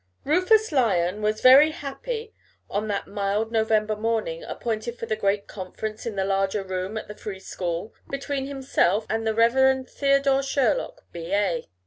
_ Rufus Lyon was very happy on that mild November morning appointed for the great conference in the larger room at the Free School, between himself and the Reverend Theodore Sherlock, B.A.